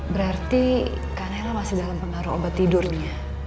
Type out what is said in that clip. berarti kak nayla masih dalam pengaruh obat tidurnya